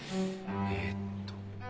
えっと。